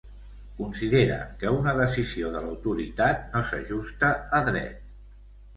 Considera que una decisió de l'autoritat no s'ajusta a dret.